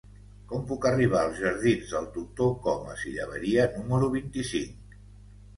Com puc arribar als jardins del Doctor Comas i Llaberia número vint-i-cinc?